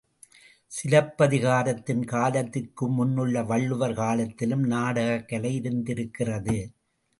சிலப்பதிகாரத்தின் காலத்திற்கு முன்னுள்ள வள்ளுவர் காலத்திலும் நாடகக் கலை இருந்திருக்கிறது.